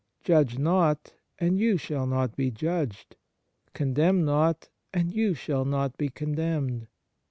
Judge not, and you shall not be judged. Condemn not, and you shall not be con demned.